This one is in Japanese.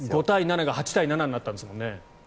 ５対７が８対７になったんですもんね。